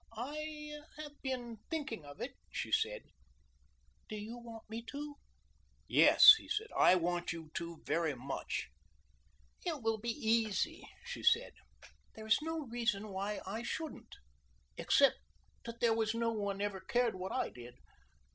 "I have been thinking of it," she said; "do you want me to?" "Yes," he said, "I want you to very much." "It will be easy," she said. "There is no reason why I shouldn't except that there was no one ever cared what I did."